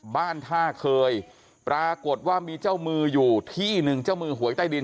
บ้านท่าเคยปรากฏว่ามีเจ้ามืออยู่ที่หนึ่งเจ้ามือหวยใต้ดิน